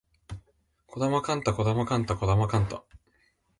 児玉幹太児玉幹太児玉幹太